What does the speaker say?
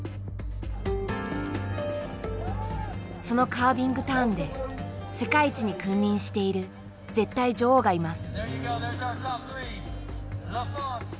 そのカービングターンで世界一に君臨している絶対女王がいます。